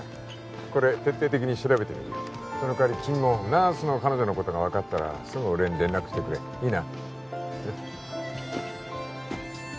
これ徹底的に調べてみるよその代わり君もナースの彼女のことが分かったらすぐ俺に連絡してくれいいな？